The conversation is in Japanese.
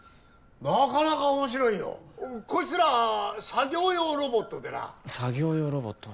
なかなか面白いよこいつら作業用ロボットでな作業用ロボット？